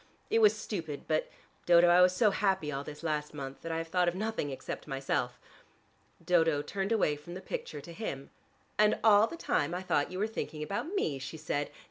It was stupid, but, Dodo, I was so happy all this last month, that I have thought of nothing except myself." Dodo turned away from the picture to him. "And all the time I thought you were thinking about me!" she said.